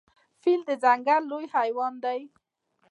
فیل د ځنګل لوی حیوان دی.